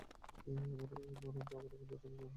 আমার বাবার বন্ধুদের একজন, হ্যাঁ।